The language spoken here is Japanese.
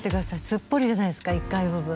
すっぽりじゃないですか１階部分。